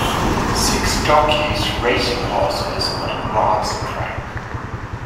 Six jockeys racing horses on a grass track.